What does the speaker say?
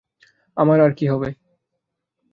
আমার আর কি হবে।